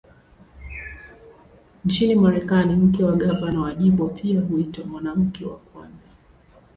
Nchini Marekani, mke wa gavana wa jimbo pia huitwa "Mwanamke wa Kwanza".